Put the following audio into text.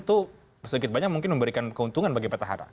itu sedikit banyak mungkin memberikan keuntungan bagi petahana